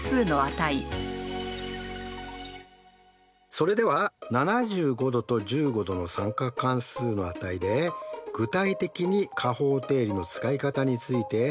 それでは７５°と１５°の三角関数の値で具体的に加法定理の使い方について学んでいこうと思います。